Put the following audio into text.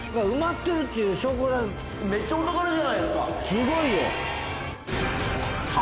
すごいよ！